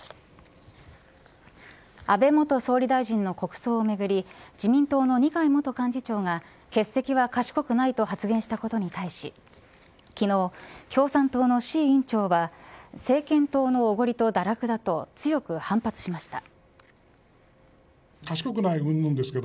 安倍元総理大臣の国葬をめぐり自民党の二階元幹事長が欠席は賢くないと発言したことに対し昨日、共産党の志位委員長は政権党の、おごりと堕落だと強く反発しました。